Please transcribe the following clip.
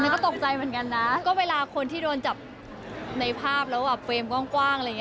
ก็ตกใจเหมือนกันนะก็เวลาคนที่โดนจับในภาพแล้วแบบเฟรมกว้างอะไรอย่างนี้